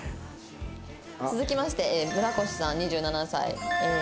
続きまして村越さん２７歳。